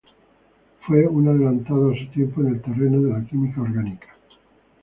Fue un adelantado a su tiempo en el terreno de la química orgánica.